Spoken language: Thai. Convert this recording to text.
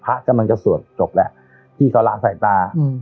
พระกำลังจะสวดจบแหละพี่เขาระใส่ตาอืม